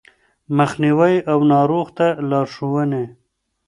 مخنيوی او ناروغ ته لارښوونې